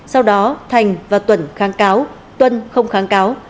sau đó thành và tuần kháng cáo tuần không kháng cáo